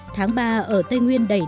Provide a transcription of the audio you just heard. tháng ba ở tây nguyên đầy nước